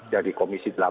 dari komisi delapan